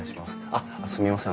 あっすみません